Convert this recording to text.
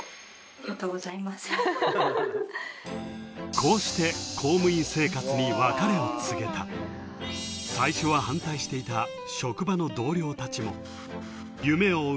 こうして公務員生活に別れを告げた最初は反対していた職場の同僚たちも夢を追う